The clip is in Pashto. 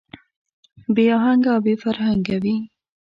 بې اهنګه او بې فرهنګه وي.